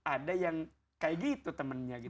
ada yang kayak gitu temennya gitu